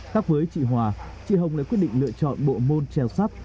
các với chị hòa chị hồng đã quyết định lựa chọn bộ môn treo sắt